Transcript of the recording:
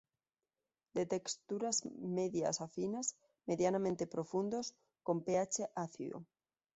De texturas medias a finas, medianamente profundos, con pH ácido.